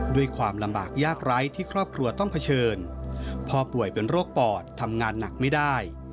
ด้วยความลำบากยากไร้ที่ครอบครัวต้องเผชิญพ่อป่วยเป็นโรคปอดทำงานหนักไม่ได้